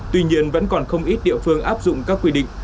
tuy nhiên vẫn còn không ít địa phương áp dụng các quy định